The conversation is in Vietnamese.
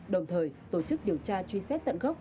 đồng thời tổ chức điều tra truy xét tận gốc